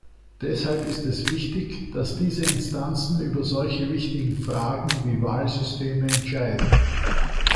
Deshalb ist es wichtig, dass diese Instanzen über solche wichtigen Fragen wie Wahlsysteme entscheiden.